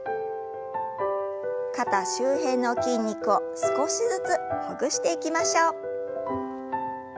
肩周辺の筋肉を少しずつほぐしていきましょう。